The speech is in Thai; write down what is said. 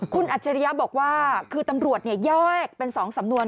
คุณอัจฉริยะบอกว่าคือตำรวจแยกเป็น๒สำนวน